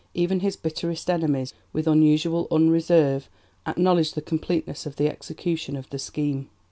Even his bitterest enemies, with unusual unreserve, acknowledged the completeness of the execution of the scheme."